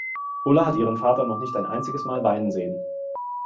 Ulla hat ihren Vater noch nicht ein einziges Mal weinen sehen.